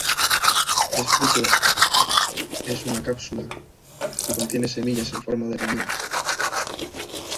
Es fruto es una cápsula que contiene semillas en forma de riñón.